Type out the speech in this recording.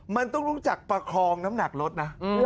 มันต้องรู้จักประคองน้ำหนักรถนะ